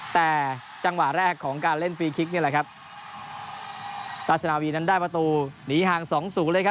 แต่จังหวะแรกของการเล่นฟรีคลิกตาชาวีได้ประตูหนีห่าง๒สูงเลย